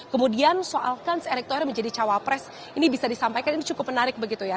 kemudian soalkan si erick thohir menjadi cawapres ini bisa disampaikan ini cukup menarik begitu ya